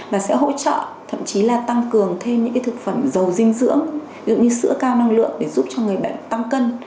và sẽ hỗ trợ thậm chí là tăng cường thêm những thực phẩm dầu dinh dưỡng ví dụ như sữa cao năng lượng để giúp cho người bệnh tăng cân